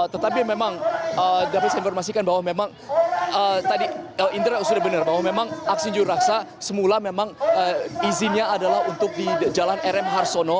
tetapi memang dapat saya informasikan bahwa memang tadi indra sudah benar bahwa memang aksi juru raksa semula memang izinnya adalah untuk di jalan rm harsono